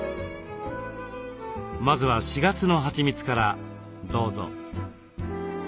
まずは４月のはちみつからどうぞ。